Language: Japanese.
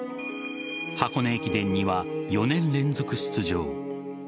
箱根駅伝には４年連続出場。